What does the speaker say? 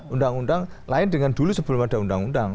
undang undang lain dengan dulu sebelum ada undang undang